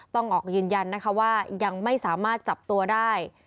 ต้องออกยืนยันนะคะว่ายังไม่สามารถจับตัวได้